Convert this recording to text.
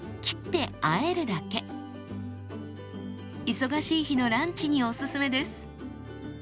忙しい日のランチにおすすめです。